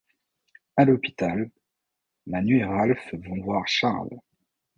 À l'hôpital, Manu et Raph vont voir Charles.